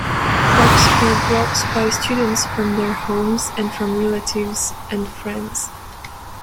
Props were brought by students from their homes, and from relatives and friends.